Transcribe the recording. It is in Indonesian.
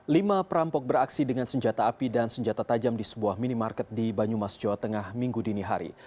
lima perampok beraksi dengan senjata api dan senjata tajam di sebuah minimarket di banyumas jawa tengah minggu dini hari